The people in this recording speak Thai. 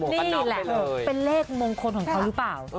นี่แหละเป็นเลขมงคลของเขาหรือเปล่า